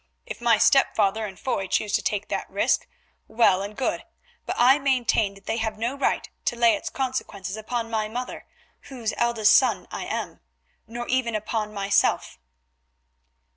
If my stepfather and Foy choose to take that risk, well and good, but I maintain that they have no right to lay its consequences upon my mother, whose eldest son I am, nor even upon myself."